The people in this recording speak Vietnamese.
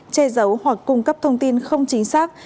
che giấu hoặc cung cấp thông tin không chính xác